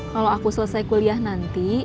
kalau aku selesai kuliah nanti